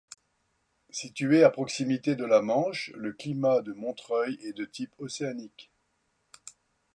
Situé à proximité de la Manche, le climat de Montreuil est de type océanique.